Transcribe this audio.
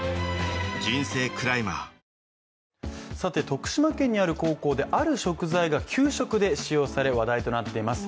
徳島県にある高校で、ある食材が給食で使用され、話題となっています。